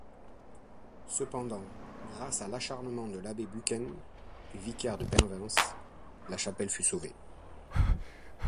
Cependant, grâce à l'acharnement de l'abbé Buquen, vicaire de Penvins, la chapelle fut sauvée.